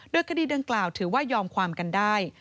โดยคดีดังกล่าวถือว่ายอมความกันได้